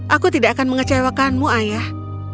aku tidak akan mengecewakanmu ayah